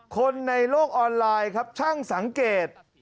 คนในโลกออนไลน์ครับช่างสังเกต